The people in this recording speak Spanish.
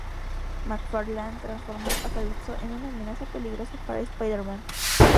McFarlane transformó a Calipso en una amenaza peligrosa para Spider-Man.